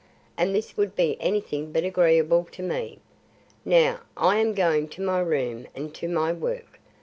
And this would be anything but agreeable to me. Now I am going to my room and to my work.